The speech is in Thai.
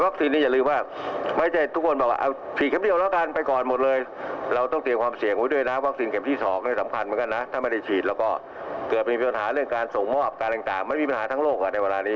เกิดเป็นปัญหาเรื่องการส่งมอบการต่างไม่มีปัญหาทั้งโลกในเวลานี้